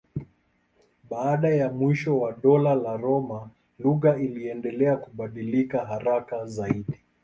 Baada ya mwisho wa Dola la Roma lugha iliendelea kubadilika haraka zaidi.